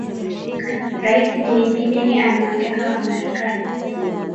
Rais Joe Biden amewataka Wamarekani